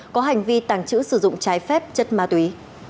có hành vi tàng trữ sử dụng trái phép chất ma túy